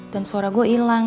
dan suara gue hilang